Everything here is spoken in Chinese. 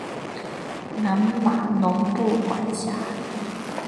南马农布管辖。